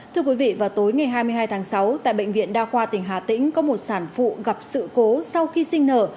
thưa quý vị vào tối ngày hai mươi hai tháng sáu tại bệnh viện đa khoa tỉnh hà tĩnh có một sản phụ gặp sự cố sau khi sinh nở